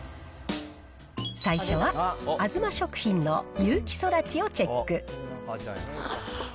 最初はあづま食品の有機そだちをチェック。